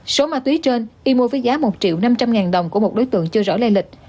số ma túy trên y mua với giá một triệu năm trăm linh ngàn đồng của một đối tượng chưa rõ lây lịch